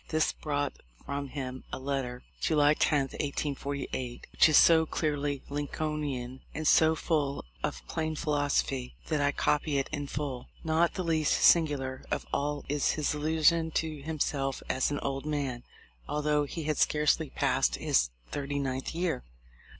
This brought from him a letter, July 10, 1848, which is so clearly Lincolnian and so full of plain philosophy, that I copy it in full. Not the least singular of all is his illusion to himself as an old man, although he had scarcely passed his thirty ninth year.